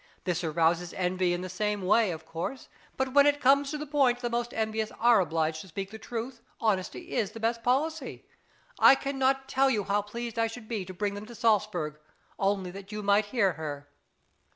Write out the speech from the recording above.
This arouses envy in the same way, of course; but when it comes to the point the most envious are obliged to speak the truth; honesty is the best policy. I cannot tell you how pleased I should be to bring them to Salsburg, only that you might hear her.